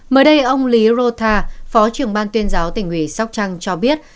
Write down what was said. mới đây ông lý rota phó trưởng ban tuyên giáo tỉnh ủy sóc trăng cho biết